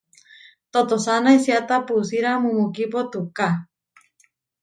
Totosána isiáta pusíra mumukipo tuká.